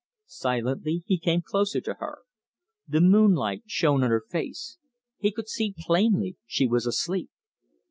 Silently he came closer to her. The moonlight shone on her face. He could see plainly she was asleep.